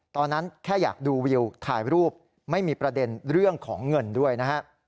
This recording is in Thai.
แค่อยากดูวิวถ่ายรูปไม่มีประเด็นเรื่องของเงินด้วยนะฮะ